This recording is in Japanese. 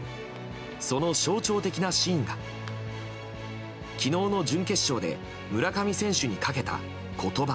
その象徴的なシーンが昨日の準決勝で村上選手にかけた言葉。